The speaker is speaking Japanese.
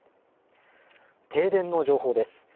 停電の情報です。